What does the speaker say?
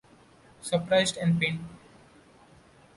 Surprised and pained.